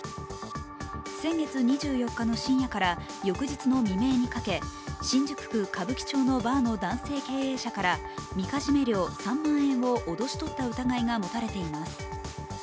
先月２４日の深夜から翌日の未明にかけ、新宿区歌舞伎町のバーの男性経営者からみかじめ料３万円を脅し取った疑いが持たれています。